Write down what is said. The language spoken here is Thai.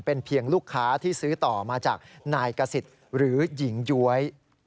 เป็นเพียงลูกค้าที่ซื้อต่อมาจากนายกษิตหรือหญิงย้วย